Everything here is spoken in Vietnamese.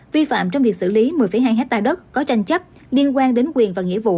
vi phạm trong việc xử lý một mươi hai hectare đất có tranh chấp liên quan đến quyền và nghĩa vụ